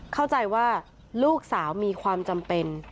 เข้าใจว่าลูกสาวมีความจำเป็น